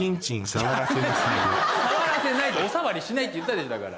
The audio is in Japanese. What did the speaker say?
触らせないって！お触りしないって言ったでしょだから。